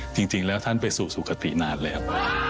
จริงแล้วท่านไปสู่สุขตินานแล้ว